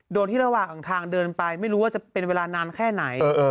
โดยที่ระหว่างทางเดินไปไม่รู้ว่าจะเป็นเวลานานแค่ไหน